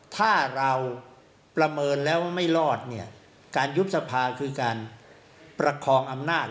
ถ้าเราประเมินแล้วไม่รอดเนี่ยการยุบสภาคือการประคองอำนาจ